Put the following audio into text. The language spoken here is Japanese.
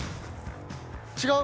違う？